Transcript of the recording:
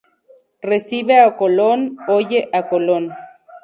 Recibe a Colón; oye a Colón.